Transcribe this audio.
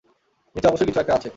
নিচে অবশ্যই কিছু একটা আছে!